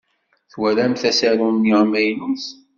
Twalamt asaru-nni amaynut?